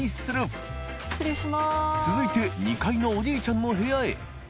秣海い２階のおじいちゃんの部屋へ緑川）